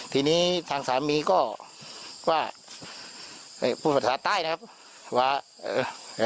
ทีนี้ทางสามีก็ว่าพูดภาษาใต้นะครับว่าเออ